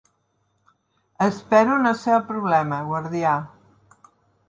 Espero no ser el problema, guardià?